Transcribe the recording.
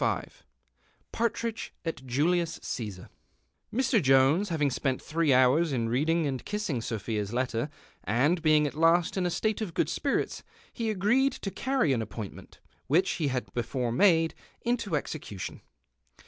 '21 PARTRIDGE AT JULIUS CESAR" Mr, Jonks ha\ing spent throe hours in reading and kissing Sophia's letter, and being at hist in a state of good spirits, he agreed to earry an appoint ment, whieh he had before made, into exeeution.